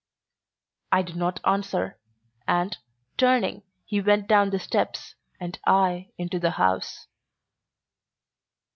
I did not answer, and, turning, he went down the steps and I into the house.